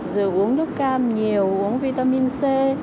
rồi uống nước cam nhiều uống vitamin c